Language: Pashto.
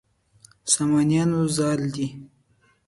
سامانیانو زال دی.